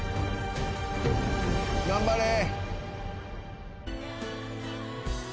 頑張れ。